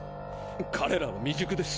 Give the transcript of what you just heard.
彼らは未熟です！